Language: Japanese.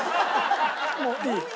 もういい。